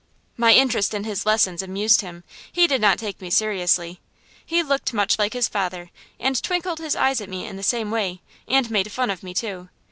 My interest in his lessons amused him; he did not take me seriously. He looked much like his father, and twinkled his eyes at me in the same way and made fun of me, too.